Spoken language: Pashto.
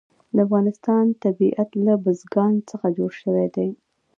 د افغانستان طبیعت له بزګان څخه جوړ شوی دی.